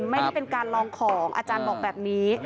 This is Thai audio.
ไม่ได้เป็นการลองของอาจารย์บอกแบบนี้